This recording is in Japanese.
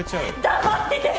黙ってて！